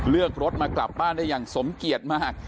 เลือกรถมากลับบ้านได้อย่างสมเกียรติมาก